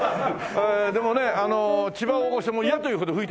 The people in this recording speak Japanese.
でもね千葉大御所も嫌というほど吹いてましたからね。